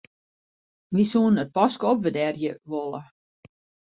Wy soenen it paske opwurdearje wolle.